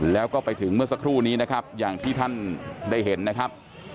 แล้วก็ไปถึงเมื่อสักครู่นี้นะครับอย่างที่ท่านได้เห็นนะครับ